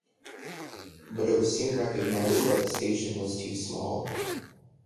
But it was soon recognized that the station was too small.